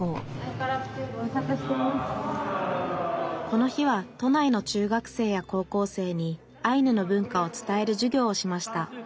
この日は都内の中学生や高校生にアイヌの文化を伝える授業をしました